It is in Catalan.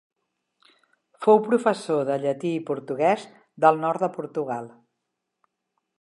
Fou professor de llatí i portuguès del nord de Portugal.